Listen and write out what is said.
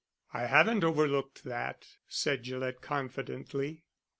"I haven't overlooked that," said Gillett confidently.